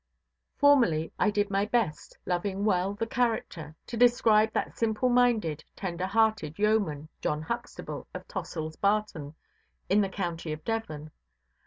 Formerly I did my best, loving well the character, to describe that simple–minded, tender–hearted yeoman, John Huxtable, of Tossilʼs Barton, in the county of Devon.